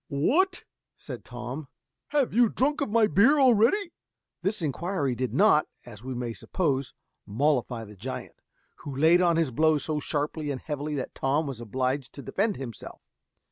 "What!" said Tom, "have you drunk of my strong beer already?" This inquiry did not, as we may suppose, mollify the giant, who laid on his blows so sharply and heavily that Tom was obliged to defend himself.